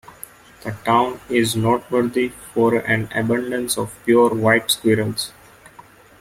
The town is noteworthy for an abundance of pure white squirrels.